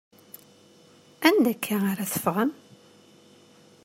Anda akka ara teffɣem?